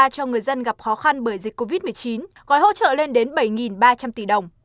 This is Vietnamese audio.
cho người dân gặp khó khăn bởi dịch covid một mươi chín gói hỗ trợ lên đến bảy ba trăm linh tỷ đồng